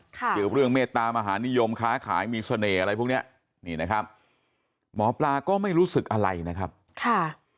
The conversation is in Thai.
เกี่ยวกับเรื่องเมตตามหานิยมค้าขายมีเสน่ห์อะไรพวกเนี้ยนี่นะครับหมอปลาก็ไม่รู้สึกอะไรนะครับค่ะ